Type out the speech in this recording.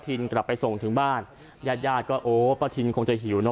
กลับไปส่งถึงบ้านญาติญาติก็โอ้ป้าทินคงจะหิวเนอ